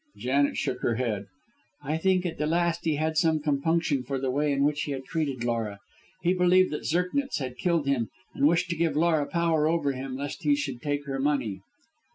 Janet shook her head. "I think at the last he had some compunction for the way in which he had treated Laura. He believed that Zirknitz had killed him, and wished to give Laura power over him lest he should take her money."